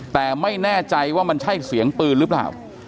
แต่ไม่แน่ใจว่ามันใช่เสียงปืนหรือเปล่า